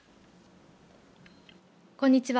こんにちは。